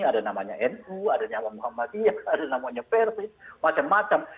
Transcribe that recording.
ada namanya nu ada yang namanya muhammadiyah ada yang namanya persis macam macam